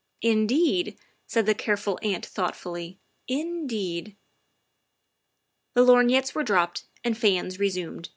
''" Indeed," said the careful aunt thoughtfully, " in deed I" The lorgnettes were dropped and fans resumed.